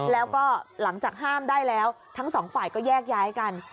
แล้วก็หลังจากห้ามได้แล้วทั้งสองฝ่ายก็แยกย้ายกัน